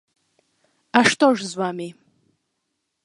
А што ж з вамі?